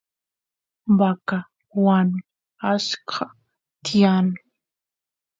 vaca wanu achka tiyan